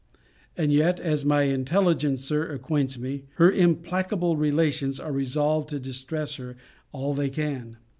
And yet, as my intelligencer acquaints me, her implacable relations are resolved to distress her all they can.